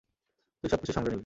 তুই সবকিছু সামলে নিবি।